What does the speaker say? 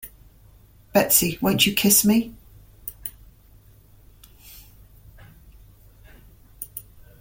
Betsy, won't you kiss me?